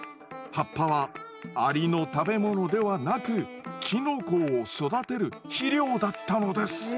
葉っぱはアリの食べ物ではなくキノコを育てる肥料だったのです。